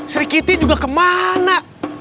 sri kitty juga kemana